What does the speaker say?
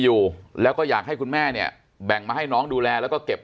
อยู่แล้วก็อยากให้คุณแม่เนี่ยแบ่งมาให้น้องดูแลแล้วก็เก็บ